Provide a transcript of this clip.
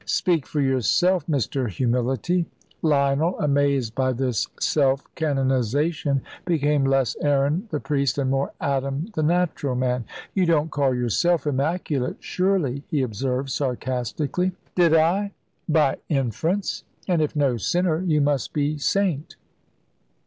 "Speak for yourself, Mr. Humility." Lionel, amazed by this self canonisation, became less Aaron the priest and more Adam the natural man. "You don't call yourself immaculate, surely," he observed sarcastically. "Did I?" "By inference; and if no sinner, you must be saint."